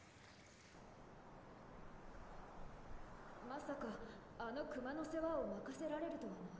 ・まさかあの熊の世話を任せられるとはな。